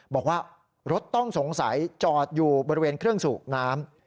บอกว่ารถต้องสงสัยจอดอยู่บริเวณเครื่องสูบน้ำ